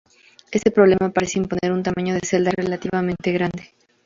Este problema parece imponer un tamaño de celda relativamente grande.